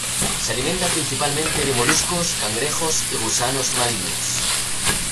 Se alimenta principalmente de moluscos, cangrejos y gusanos marinos.